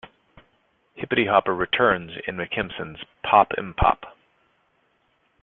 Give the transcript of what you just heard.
Hippety Hopper returns in McKimson's Pop 'Im Pop!